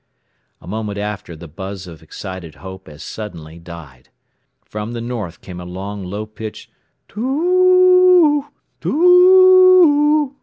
A moment after the buzz of excited hope as suddenly died. From the north came a long, low pitched "Too oo, too oo, oo, oo!"